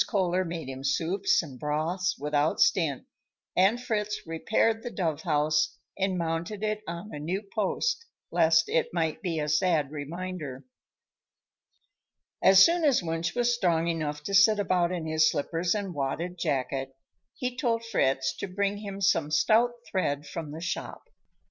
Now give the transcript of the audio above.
Kohler made him soups and broths without stint, and Fritz repaired the dove house and mounted it on a new post, lest it might be a sad reminder. As soon as Wunsch was strong enough to sit about in his slippers and wadded jacket, he told Fritz to bring him some stout thread from the shop.